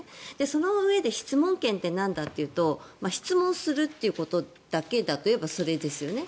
そのうえで質問権ってなんだというと質問をするっていうことだけだといえばそうですよね。